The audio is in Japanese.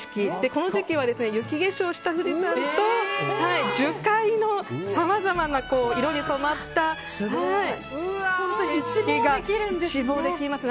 この時期は雪化粧した富士山と樹海のさまざまな色に染まった景色が一望できます。